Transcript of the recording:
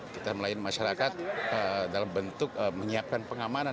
kita melayani masyarakat dalam bentuk menyiapkan pengamanan